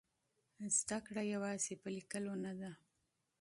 زده کړه یوازې په لیکلو نه ده.